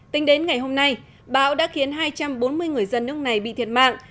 tính đến ngày hôm nay bão đã khiến hai trăm bốn mươi người dân nước này bị thiệt mạng